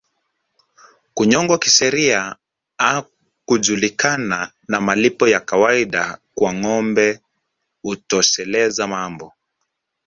Kunyongwa kisheria hakujulikani na malipo ya kawaida kwa ngombe hutosheleza mambo